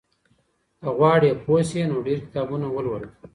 که غواړې پوه سې نو ډېر کتابونه ولوله.